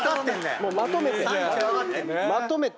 もうまとめて。